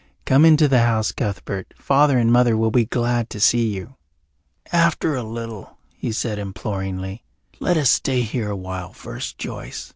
Come into the house, Cuthbert. Father and Mother will be glad to see you." "After a little," he said imploringly. "Let us stay here awhile first, Joyce.